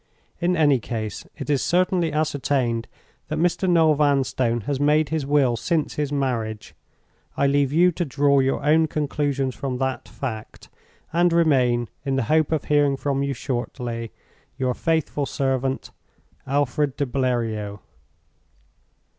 In any case, it is certainly ascertained that Mr. Noel Vanstone has made his will since his marriage. I leave you to draw your own conclusions from that fact, and remain, in the hope of hearing from you shortly, "Your faithful servant, "ALFRED DE BLERIOT."